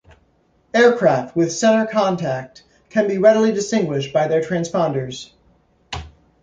Aircraft with Center contact can be readily distinguished by their transponders.